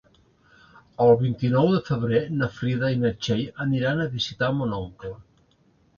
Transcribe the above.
El vint-i-nou de febrer na Frida i na Txell aniran a visitar mon oncle.